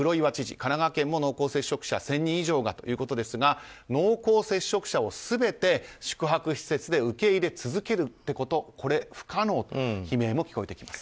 神奈川県も濃厚接触者１０００人以上がということですが、濃厚接触者を全て宿泊施設で受け入れ続けるってことはこれ、不可能と悲鳴も聞こえてきます。